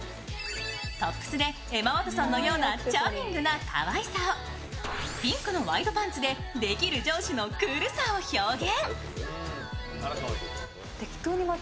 トップスでエマ・ワトソンのようなチャーミングなかわいさを、ピンクのワイドパンツでデキる上司のクールさを表現。